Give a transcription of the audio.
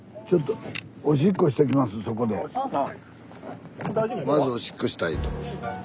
スタジオまずおしっこしたいと。